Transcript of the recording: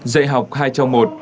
dạy học hai trong một